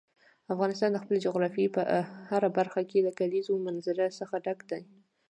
افغانستان د خپلې جغرافیې په هره برخه کې له کلیزو منظره څخه ډک دی.